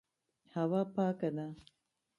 هوا پاکه ده.